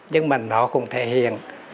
nhưng mà nó cũng thể hiện